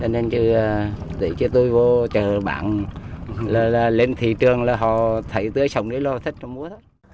nên chứ tôi vô chờ bạn lên thị trường là họ thấy tôi ở sống đấy lo thích mua